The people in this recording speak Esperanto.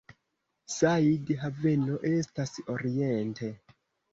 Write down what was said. Said Haveno estas oriente.